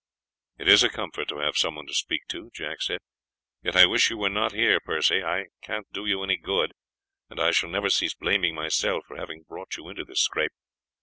"It is a comfort to have someone to speak to," Jack said, "yet I wish you were not here, Percy; I can't do you any good, and I shall never cease blaming myself for having brought you into this scrape.